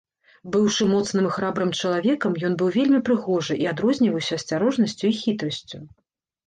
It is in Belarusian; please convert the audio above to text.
Быўшы моцным і храбрым чалавекам, ён быў вельмі прыгожы і адрозніваўся асцярожнасцю і хітрасцю.